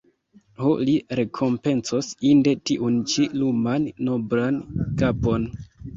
Ho, li rekompencos inde tiun ĉi luman noblan kapon!